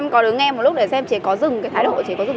con có tiền không